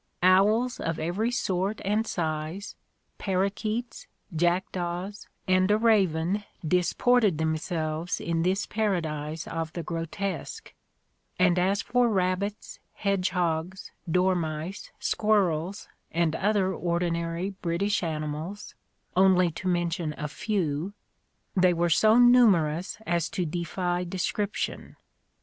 Owls of every sort and size, parrakeets, jackdaws, and a raven disported themselves in this Paradise of the grotesque : and as for rabbits, hedgehogs, dormice, squirrels, and other ordinary British animals, — only to mention a few, — they were so numerous as to defy description.